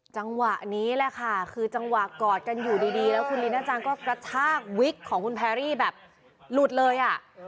จังหวะนี้แหละค่ะคือจังหวะกอดกันอยู่ดีแล้วคุณลีน่าจังก็กระชากวิกของคุณแพรรี่แบบหลุดเลยอ่ะ